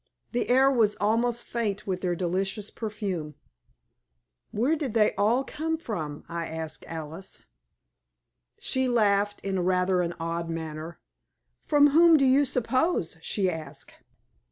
The air was almost faint with their delicious perfume. "Where did they all come from?" I asked Alice. She laughed in rather an odd manner. "From whom do you suppose?" she asked.